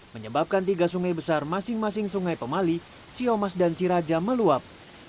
menyebabkan tiga sungai besar masing masing sungai pemali siomas dan ciraca meluap